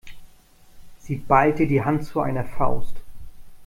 Sie ballte die Hand zu einer Faust.